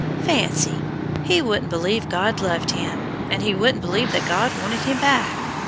Fancy! He wouldn't believe God loved him, and he wouldn't believe that God wanted him back!